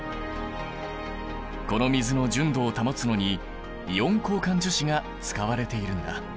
この水の純度を保つのにイオン交換樹脂が使われているんだ。